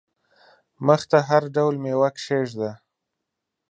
مخ ته هر ډول مېوه کښېږده !